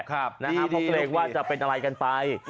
เพราะเกรงว่าจะเป็นอะไรกันไป